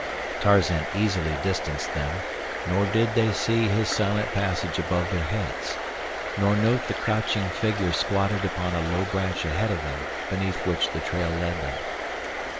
Tarzan easily distanced them, nor did they see his silent passage above their heads, nor note the crouching figure squatted upon a low branch ahead of them beneath which the trail led them.